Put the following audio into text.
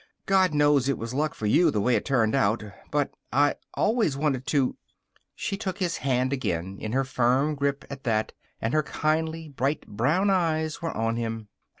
God knows it was luck for you the way it turned out but I always wanted to " She took his hand again in her firm grip at that, and her kindly, bright brown eyes were on him.